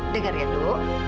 dengar ya do